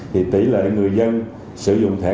thì tỉ lệ người dân sử dụng thẻ